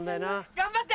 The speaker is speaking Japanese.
頑張って！